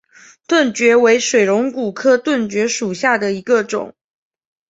盾蕨为水龙骨科盾蕨属下的一个种。